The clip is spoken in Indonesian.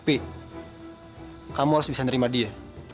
tapi kamu harus bisa nerima dia